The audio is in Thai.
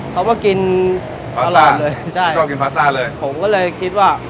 เขาก็มากินไปร้านเลยเขาชอบกินพาสต้านผมก็เลยคิดว่า